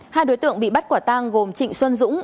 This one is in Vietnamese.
hai đối tượng bị bắt quả tang gồm trịnh xuân dũng